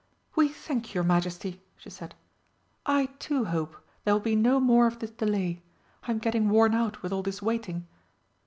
"We thank your Majesty," she said. "I too hope there will be no more of this delay. I am getting worn out with all this waiting.